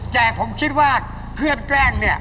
แจกผมคิดว่าเพื่อนแกล้ง